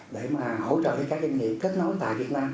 để mà hỗ trợ cho các doanh nghiệp kết nối tại việt nam